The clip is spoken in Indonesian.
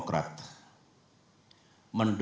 serta lebih believed